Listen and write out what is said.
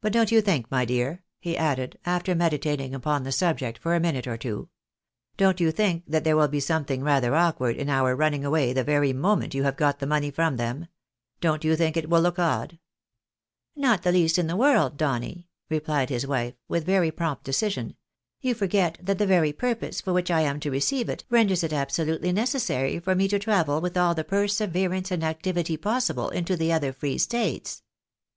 "But don't you think, my dear," he added, after meditating upon the subject for a minute or two, " don't you think that there will be something rather awkward in our running away the very moment you have got the money from them ? Don't you think it will look odd ?"" Not the ieast in the world, Donny," replied his wife, with very prompt decision. " You forget that the very purpose for which I am to receive it, renders it absolutely necessary for me to travel with all the perseverance and activity possible into the other Free States.